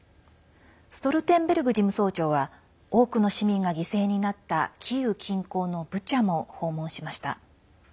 ストルテンベルグ事務総長は多くの市民が犠牲になったキーウ近郊のブチャも訪問しました。